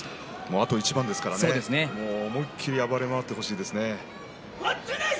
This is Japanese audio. あと一番ですから思い切り暴れ回ってほしいですね。